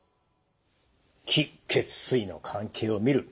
気・血・水の関係を見る。